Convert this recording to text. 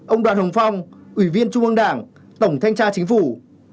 ông đoàn hồng phong ủy viên trung ương đảng tổng thanh tra chính phủ